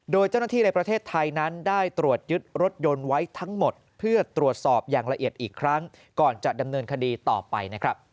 โดยเจ้าหน้าที่ในประเทศไทยนั้นได้ตรวจยึดรถยนต์ไว้ทั้งหมดเพื่อตรวจสอบอย่างละเอียดอีกครั้งก่อนจะดำเนินคดีต่อไปนะครับ